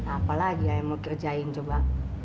apa lagi yang mau kerjain coba